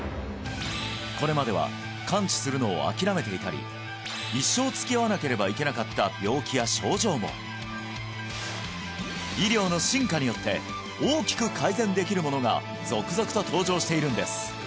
これまでは完治するのを諦めていたり一生つきあわなければいけなかった病気や症状も医療の進化によって大きく改善できるものが続々と登場しているんです